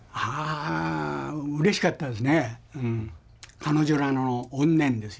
彼女らの怨念ですよ。